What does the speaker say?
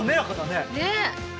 ねえ。